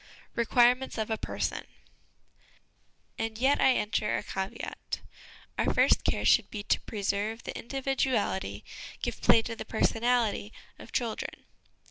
Requirements of a Person. And yet I enter a caveat. Our first care should be to preserve the individuality, give play to the personality, of children.